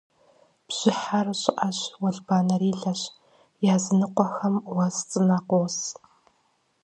Бжьыхьэр щӏыӏэщ, уэлбанэрилэщ, языныкъуэхэм уэс цӏынэ къос.